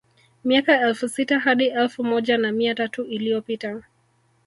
Miaka elfu sita hadi elfu moja na mia tatu iliyopita